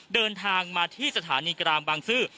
เดินทางมาที่สถานีกลางบางซื่อ